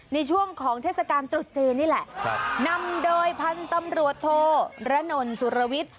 ในช่วงของเทศกาลตรุษจีนนี่แหละนำโดยพันธุ์ตำรวจโทรนนสุรวิทย์